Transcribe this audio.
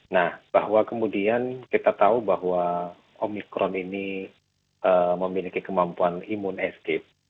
nah bahwa kemudian kita tahu bahwa omikron ini memiliki kemampuan imun escape